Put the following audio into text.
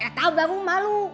gak tau baru malu